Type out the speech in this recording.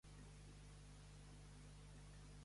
Com és que tenen aquesta forma, aleshores?